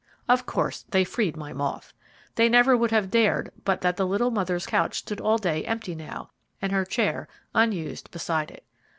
Of course they freed my moth. They never would have dared but that the little mother's couch stood all day empty now, and her chair unused beside it.